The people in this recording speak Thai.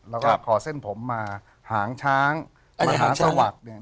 แล้วก็ขอเส้นผมมาหางช้างอันนี้หางช้างมหาสวัสดิ์